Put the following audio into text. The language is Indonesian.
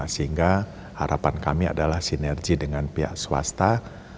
sehingga harapan kami adalah sinergi dengan pihak swasta ces saatnya bisa menanam pohon